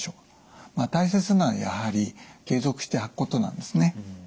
大切なのはやはり継続して履くことなんですね。